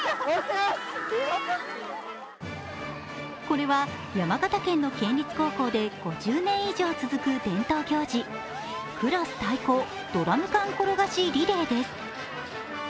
これは山形県の県立高校で５０年以上続く伝統行事、クラス対抗ドラム缶転がしリレーです。